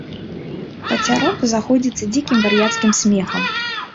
Пацяроб заходзіцца дзікім вар'яцкім смехам.